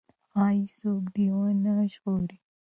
ښايي څوک دې ونه ژغوري.